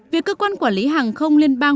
việc cơ quan quản lý hàng không liên bang